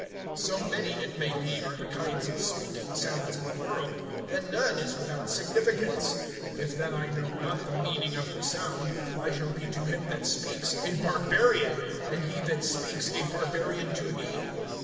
(10)So many, it may be, are the kinds of speaking sounds in the world, and none is without significance. (11)If then I know not the meaning of the sound, I shall be to him that speaks a barbarian, and he that speaks a barbarian to me.